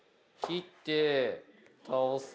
切って倒す。